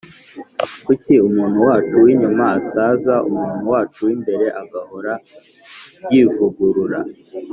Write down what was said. Kuki umuntu wacu w’inyuma asaza umuntu wacu w’imbere agahora yivugurura